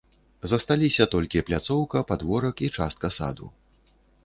Засталіся толькі пляцоўка, падворак і частка саду.